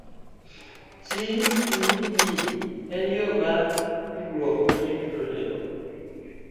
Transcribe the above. c- E-mail En yo mar tudruok ma ji tudorego